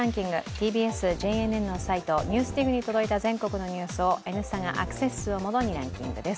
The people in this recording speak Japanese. ＴＢＳ・ＪＮＮのサイト、「ＮＥＷＳＤＩＧ」にに届いた全国のニュースを「Ｎスタ」がアクセス数をもとにランキングです。